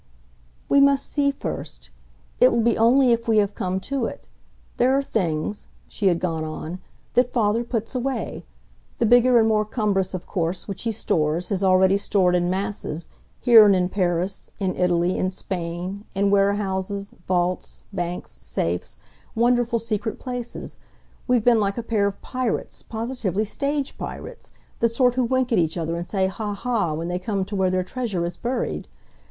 "We must see first it will be only if we have to come to it. There are things," she had gone on, "that father puts away the bigger and more cumbrous of course, which he stores, has already stored in masses, here and in Paris, in Italy, in Spain, in warehouses, vaults, banks, safes, wonderful secret places. We've been like a pair of pirates positively stage pirates, the sort who wink at each other and say 'Ha ha!' when they come to where their treasure is buried.